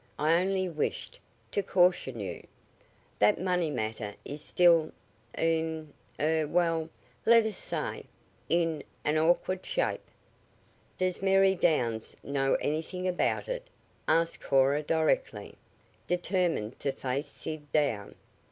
I only wished to caution you. That money matter is still in er well, let us say, in an awkward shape." "Does Mary Downs know anything about it?" asked Cora directly, determined to face Sid down.